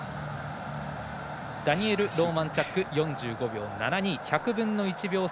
ダニエル・ローマンチャック１００分の１秒差。